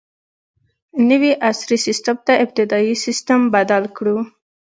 نوي عصري سیسټم ته ابتدايي سیسټم بدل کړو.